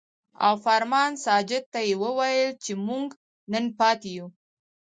او فرمان ساجد ته يې وويل چې مونږ نن پاتې يو ـ